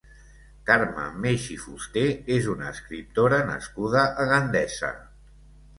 Carme Meix i Fuster és una escriptora nascuda a Gandesa.